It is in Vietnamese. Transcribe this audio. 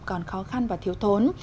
còn khó khăn và thiếu thốn